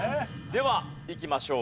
ではいきましょう。